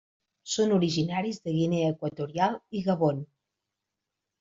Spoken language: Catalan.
Són originaris de Guinea Equatorial i Gabon.